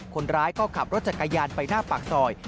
คนร้ายก็ขับรถจักรยานไปหน้าปากซอย